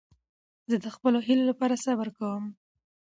زه د خپلو هیلو له پاره صبر کوم.